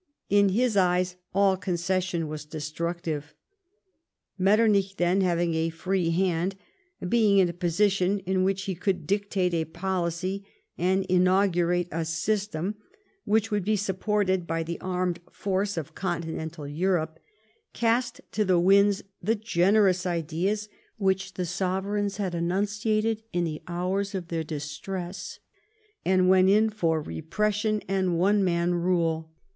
In his eyes all concession was destructive. Metternich, then, having a free hand, being in a position in which he could dictate a policy and inaugurate a system which would be supported by the armed force of continental Europe, cast to the winds the generous ideas which the sovereigns had enunciated in the hours of their distress, and went in for repression and one man rule.